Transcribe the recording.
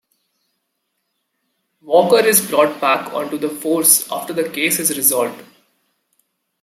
Walker is brought back onto the force after the case is resolved.